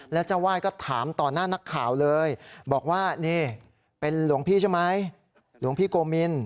แล้วเจ้าวาดก็ถามต่อหน้านักข่าวเลยบอกว่านี่เป็นหลวงพี่ใช่ไหมหลวงพี่โกมิน